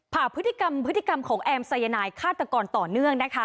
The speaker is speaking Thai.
ผ่าพฤติกรรมพฤติกรรมของแอมสายนายฆาตกรต่อเนื่องนะคะ